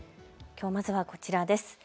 きょう、まずはこちらです。